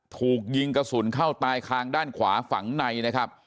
ถูกยิงกระสุนเข้าตายคางด้านขวาฝังในนะครับ